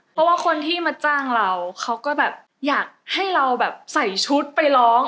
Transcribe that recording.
เพราะว่าคนที่มาจ้างเราเขาก็แบบอยากให้เราแบบใส่ชุดไปร้อง